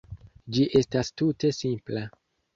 Ĝi estas tute simpla.